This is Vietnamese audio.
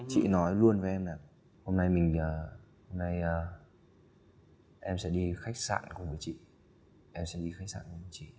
chị nói luôn với em là hôm nay mình hôm nay em sẽ đi khách sạn cùng với chị em sẽ đi khách sạn đúng không chị